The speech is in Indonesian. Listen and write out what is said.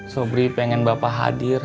sobri pengen bapak hadir